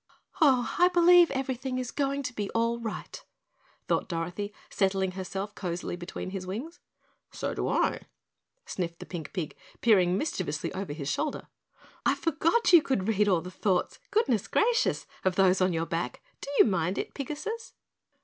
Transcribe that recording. "Oh, I believe everything is going to be all right," thought Dorothy, settling herself cozily between his wings. "So do I," sniffed the pink pig, peering mischievously over his shoulder. "I forgot you could read All the thoughts, Goodness Gracious! Of those on your back, Do you mind it Pigasus?"